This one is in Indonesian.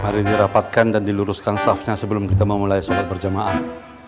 mari dirapatkan dan diluruskan staffnya sebelum kita memulai sholat berjamaah